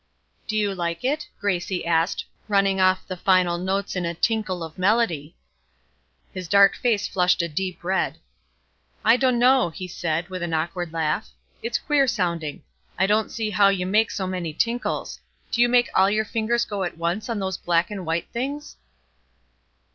"Do you like it?" Gracie asked, running off the final notes in a tinkle of melody. His dark face flushed a deep red. "I dunno," he said, with an awkward laugh; "it's queer sounding. I don't see how you make so many tinkles. Do you make all your fingers go at once on those black and white things?"